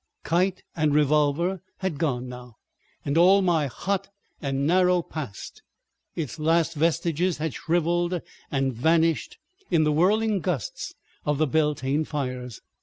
Kite and revolver had gone now, and all my hot and narrow past, its last vestiges had shriveled and vanished in the whirling gusts of the Beltane fires.